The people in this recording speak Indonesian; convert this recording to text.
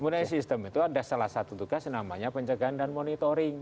benahi sistem itu ada salah satu tugas namanya penjagaan dan monitoring